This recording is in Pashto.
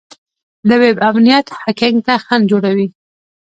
د ویب امنیت هیکینګ ته خنډ جوړوي.